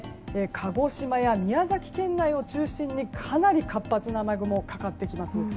鹿児島や宮崎県内を中心にかなり活発な雨雲がかかってきます。